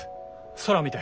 空を見て。